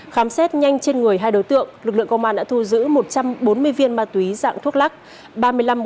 khám xét nhanh trên người hai đối tượng lực lượng công an đã thu giữ một trăm bốn mươi viên ma túy dạng thuốc lắc